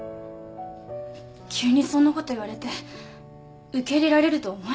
急にそんなこと言われて受け入れられると思えない。